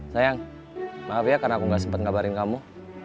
sayang maaf ya karena aku gak sempat ngabarin kamu